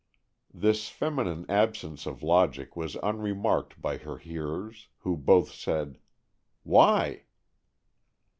This feminine absence of logic was unremarked by her hearers, who both said, "Why?"